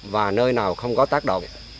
và nơi nào không có tác động